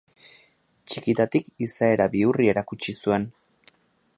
Txikitatik izaera bihurri erakutsi zuen.